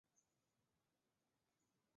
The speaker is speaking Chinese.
印度教属。